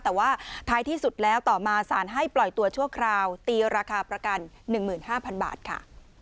แต่ว่าท้ายที่สุดแล้วต่อมาสารให้ปล่อยตัวชั่วคราวตีราคาประกัน๑๕๐๐๐บาทค่ะ